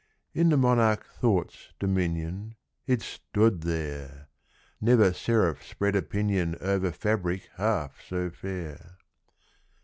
In the monarch Thought's dominion It stood there! Never seraph spread a pinion Over fabric half so fair!